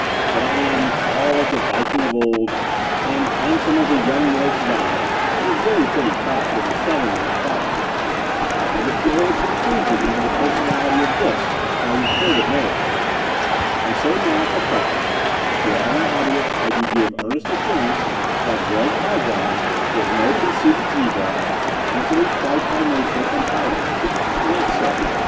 That I am "tall as a Viking of old" and "handsome as a young Norse God" is very pretty talk in the selling of my product. But I deplore its intrusion into the personality of this, my recorded narrative. And so now, for preface, to all my audience I do give earnest assurance that Gregg Haljan is no conceited zebra, handsomely striped by nature, and proud of it. Not so.